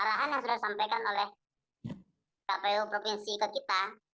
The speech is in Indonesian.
arahan yang sudah disampaikan oleh kpu provinsi ke kita